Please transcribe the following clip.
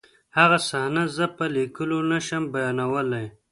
هغه صحنه زه په لیکلو نشم بیانولی